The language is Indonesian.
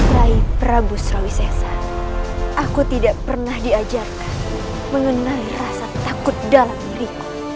rai prabu srawisesa aku tidak pernah diajarkan mengenai rasa takut dalam diriku